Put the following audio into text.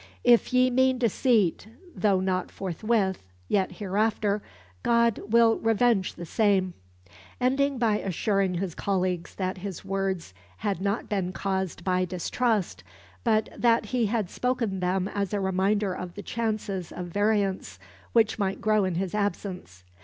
"If ye mean deceit, though not forthwith, yet hereafter, God will revenge the same," ending by assuring his colleagues that his words had not been caused by distrust, but that he had spoken them as a reminder of the chances of variance which might grow in his absence.